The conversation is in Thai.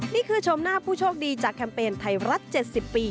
ชมหน้าผู้โชคดีจากแคมเปญไทยรัฐ๗๐ปี